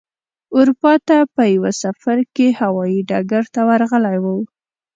اروپا ته په یوه سفر کې هوايي ډګر ته ورغلی و.